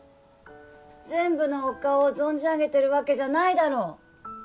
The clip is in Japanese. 全部のお顔を存じ上げてるわけじゃないだろ？